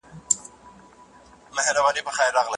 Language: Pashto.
موږ به د تل لپاره زده کړه کوو.